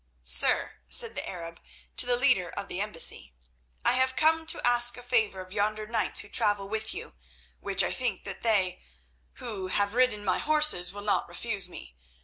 "Sir," said the Arab to the leader of the embassy, "I have come to ask a favour of yonder knights who travel with you, which I think that they, who have ridden my horses, will not refuse me.